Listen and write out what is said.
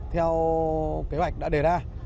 theo kế hoạch đã đề ra